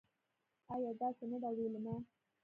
ایا داسې نده ویلما